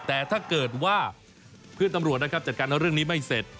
แต่ถ้าเกิดว่าเพื่อนตำรวจนะครับจัดการเรื่องนี้ไม่เสร็จ